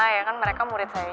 ya kan mereka murid saya